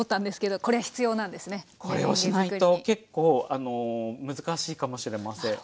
これをしないと結構難しいかもしれません。